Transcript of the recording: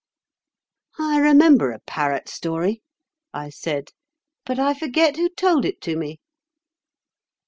"I remember a parrot story," I said, "but I forget who told it to me."